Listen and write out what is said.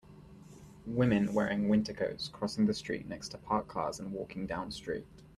Women wearing winter coats crossing the street next to parked cars and walking down street